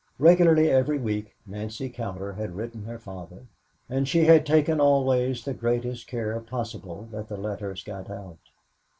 Regularly every week Nancy Cowder had written her father and she had taken always the greatest care possible that the letters got out.